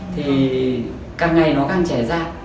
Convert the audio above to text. thì càng ngày nó càng trẻ ra